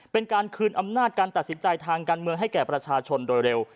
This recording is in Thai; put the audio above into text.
เป็นการคืนอำนาจการตัดสินใจทางการเมืองให้แก่ประชาชนโดยเร็ว